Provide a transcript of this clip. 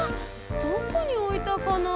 どこにおいたかな？